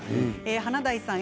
華大さんへ。